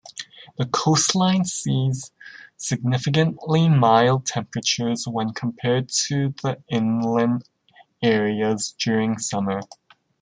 The coastline sees significantly mild temperatures when compared to the inland areas during summer.